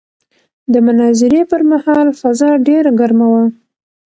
د مناظرې پر مهال فضا ډېره ګرمه وه.